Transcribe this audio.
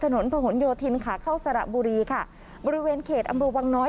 ถนนผนโยธินขาเข้าสระบุรีค่ะบริเวณเขตอำเภอวังน้อย